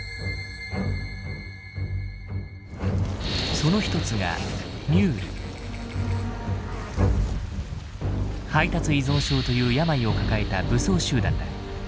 その一つが「配達依存症」という病を抱えた武装集団だ。